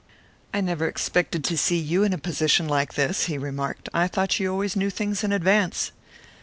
"I never expected to see you in a position like this," he remarked. "I thought you always knew things in advance."